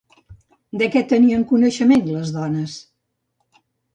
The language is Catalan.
De què tenien coneixement les dones?